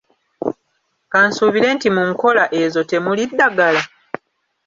Kansuubire nti mu nkola ezo temuli ddagala?